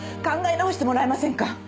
考え直してもらえませんか？